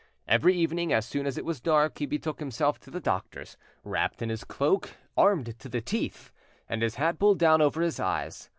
Every evening as soon as it was dark he betook himself to the doctor's, wrapped in his cloak, armed to the teeth, and his hat pulled down over his eyes.